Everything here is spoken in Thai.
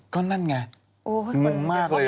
ก็นั่นไงงงมากเลย